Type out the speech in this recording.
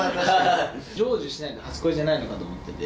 成就しないと初恋じゃないと思ってて。